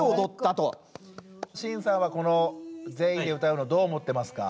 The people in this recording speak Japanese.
慎さんはこの全員で歌うのどう思ってますか？